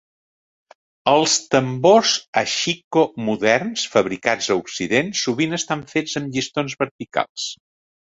Els tambors ashiko moderns fabricats a Occident sovint estan fets amb llistons verticals.